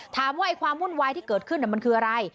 ถามว่าความวุ่นวายที่เกิดขึ้นมันคืออะไร